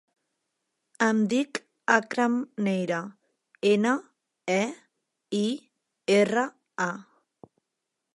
Em dic Akram Neira: ena, e, i, erra, a.